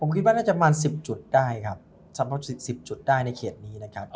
คิดว่าน่าจะประมาณ๑๐จุดได้ครับสำหรับ๑๐จุดได้ในเขตนี้นะครับ